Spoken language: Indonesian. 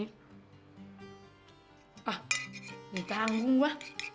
ah ditanggung gua